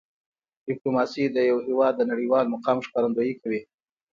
ډیپلوماسي د یو هېواد د نړیوال مقام ښکارندویي کوي.